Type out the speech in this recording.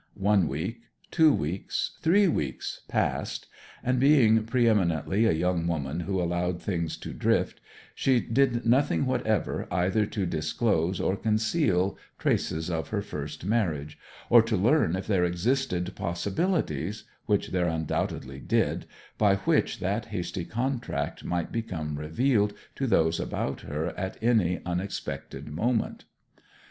One week, two weeks, three weeks passed; and, being pre eminently a young woman who allowed things to drift, she did nothing whatever either to disclose or conceal traces of her first marriage; or to learn if there existed possibilities which there undoubtedly did by which that hasty contract might become revealed to those about her at any unexpected moment.